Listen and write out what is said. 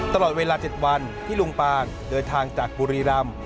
ตลอดเวลา๗วันที่ลุงปางเดินทางจากบุรีรำ